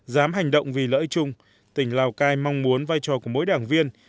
giám hành động vì lợi chung tỉnh lào cai mong muốn vai trò của mỗi đảng viên